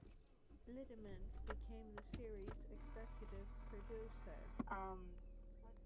Liddiment became the series' executive producer.